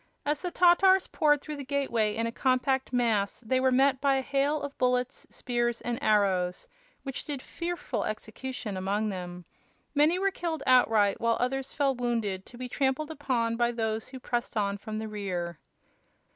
As the Tatars poured through the gateway in a compact mass they were met by a hail of bullets, spears and arrows, which did fearful execution among them. Many were killed outright, while others fell wounded to be trampled upon by those who pressed on from the rear.